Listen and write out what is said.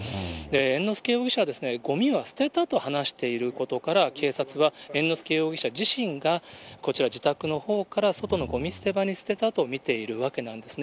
猿之助容疑者は、ごみは捨てたと話していることから、警察は猿之助容疑者自身が、こちら、自宅のほうから外のごみ捨て場に捨てたと見ているわけなんですね。